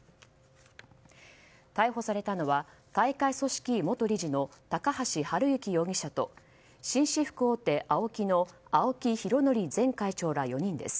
逮捕されたのは大会組織委元理事の高橋治之容疑者と紳士服大手ＡＯＫＩの青木拡憲前会長ら４人です。